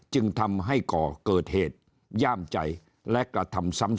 จึงทำให้ก่อเกิดเหตุย่ามใจและกระทำซ้ำ